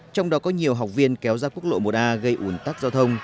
trong đó có nhiều học viên kéo ra quốc lộ một a gây ủn tắc giao thông